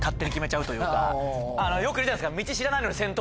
よくいるじゃないですか。